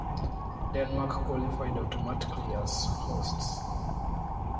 Denmark qualified automatically as hosts.